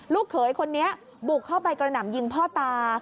เขยคนนี้บุกเข้าไปกระหน่ำยิงพ่อตา